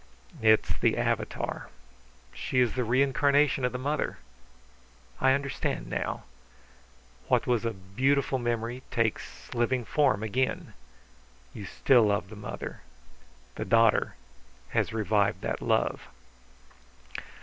"It is the avatar; she is the reincarnation of the mother. I understand now. What was a beautiful memory takes living form again. You still love the mother; the daughter has revived that love."